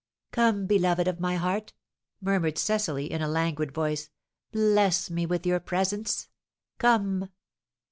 "Come, beloved of my heart!" murmured Cecily, in a languid voice; "bless me with your presence, come!"